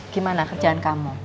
gimana kerjaan kamu